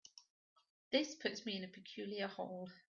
This puts me in a peculiar hole.